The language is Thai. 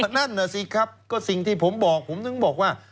นั่นน่ะสิครับก็สิ่งที่ผมบอกผมถึงบอกว่า